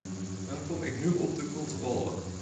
Dan kom ik nu op de controle.